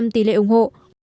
hai mươi ba tỷ lệ ủng hộ